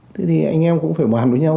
thế thì anh em cũng phải bàn với nhau